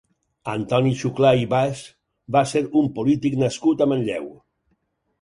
Antoni Xuclà i Bas va ser un polític nascut a Manlleu.